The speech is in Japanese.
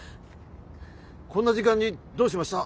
こんな時間にどうしました？